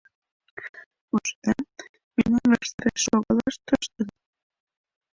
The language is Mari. Ужыда, мемнан ваштареш шогалаш тоштын.